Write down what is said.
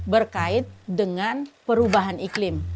berkait dengan perubahan iklim